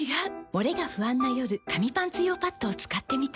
モレが不安な夜紙パンツ用パッドを使ってみた。